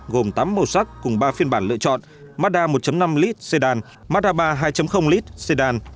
gồm tám màu sắc cùng ba phiên bản lựa chọn mada một năm l sedan mada ba hai l sedan